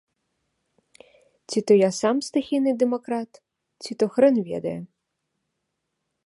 Ці то я сам стыхійны дэмакрат, ці то хрэн ведае.